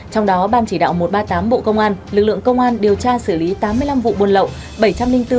trong đó ban chỉ đạo một trăm ba mươi tám bộ công an lực lượng công an điều tra xử lý tám mươi năm vụ buôn lậu